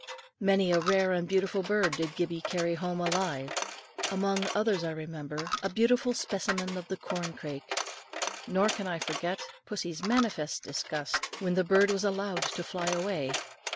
Many a rare and beautiful bird did Gibbie carry home alive, among others, I remember, a beautiful specimen of the corn crake; nor can I forget pussie's manifest disgust, when the bird was allowed to fly away.